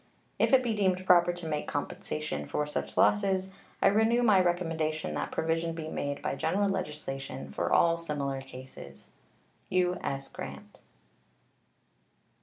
If it be deemed proper to make compensation for such losses, I renew my recommendation that provision be made by general legislation for all similar cases. U.S. GRANT.